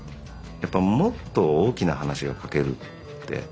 やっぱりもっと大きな話が描けるって。